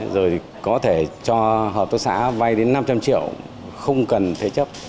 rồi có thể cho hợp tác xã vay đến năm trăm linh triệu không cần thế chấp